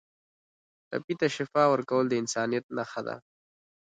ټپي ته شفا ورکول د انسانیت نښه ده.